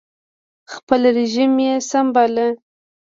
خپل رژیم یې سم باله